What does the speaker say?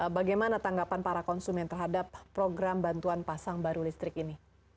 bagaimana tanggapan para konsumen terhadap program bantuan pasang baru listrik ini